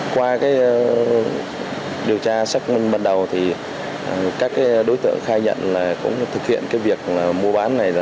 qua điều tra xác minh bắt đầu các đối tượng khai nhận thực hiện việc mua bán này